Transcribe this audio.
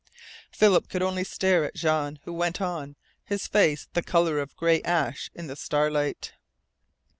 Philip could only stare at Jean, who went on, his face the colour of gray ash in the starlight.